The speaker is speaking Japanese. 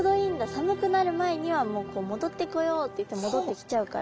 寒くなる前にはもう戻ってこようっていって戻ってきちゃうから。